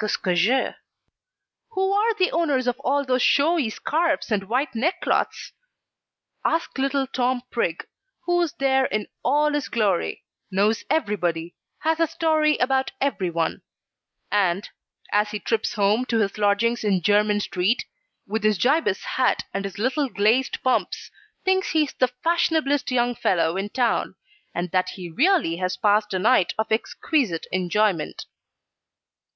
QUE SCAIS JE? Who are the owners of all those showy scarfs and white neckcloths? Ask little Tom Prig, who is there in all his glory, knows everybody, has a story about every one; and, as he trips home to his lodgings in Jermyn Street, with his gibus hat and his little glazed pumps, thinks he is the fashionablest young fellow in town, and that he really has passed a night of exquisite enjoyment.